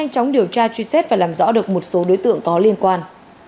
chóng điều tra truy xét và làm rõ được một số đối tượng có liên quan